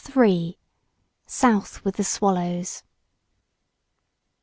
—SOUTH WITH THE SWALLOWS.